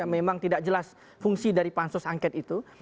memang tidak jelas fungsi dari pansus angket itu